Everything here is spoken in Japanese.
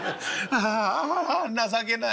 ああああ情けない。